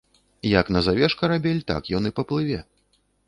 Як назавеш карабель, так ён і паплыве.